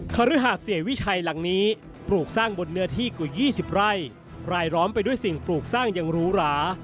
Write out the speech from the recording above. คฤหาสเสียวิชัยหลังนี้ปลูกสร้างบนเนื้อที่กว่า๒๐ไร่รายล้อมไปด้วยสิ่งปลูกสร้างอย่างหรูหรา